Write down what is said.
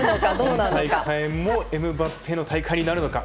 今大会もエムバペの大会になるのか。